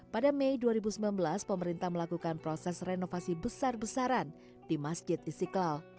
pada mei dua ribu sembilan belas pemerintah melakukan proses renovasi besar besaran di masjid istiqlal